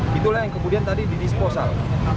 karena yang kemudian tadi di disposal